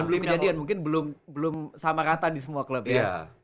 belum kejadian mungkin belum sama rata di semua klub ya